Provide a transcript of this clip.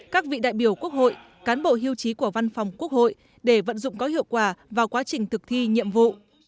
các vị đại biểu quốc hội cán bộ hưu trí của văn phòng quốc hội để vận dụng có hiệu quả vào quá trình thực thi nhiệm vụ